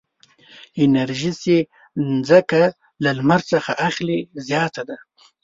انرژي چې ځمکه له لمر څخه اخلي زیاته ده.